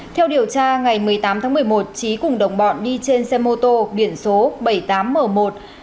theo điều tra ngày một mươi tám tháng một mươi một trí cùng đồng bọn đi trên xe mô tô điển số bảy mươi tám m một hai mươi một nghìn sáu trăm bốn mươi